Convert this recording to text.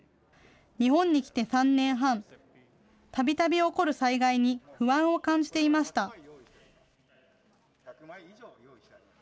日本に来て３年半、たびたび起こる災害に不安を感じていました。